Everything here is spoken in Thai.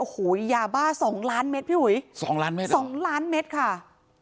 โอ้โหยาบ้าสองล้านเมตรพี่อุ๋ยสองล้านเมตรสองล้านเมตรค่ะ